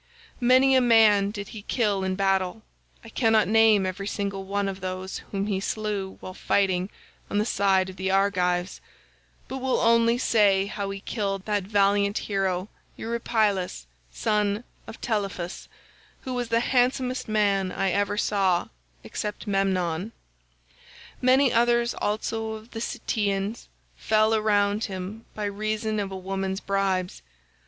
Many a man did he kill in battle—I cannot name every single one of those whom he slew while fighting on the side of the Argives, but will only say how he killed that valiant hero Eurypylus son of Telephus, who was the handsomest man I ever saw except Memnon; many others also of the Ceteians fell around him by reason of a woman's bribes.